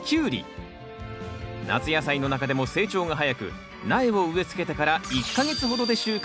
夏野菜の中でも成長が早く苗を植え付けてから１か月ほどで収穫できる